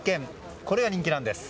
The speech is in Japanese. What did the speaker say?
これが人気なんです。